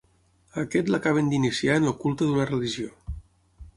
A aquest l'acaben d'iniciar en el culte d'una religió.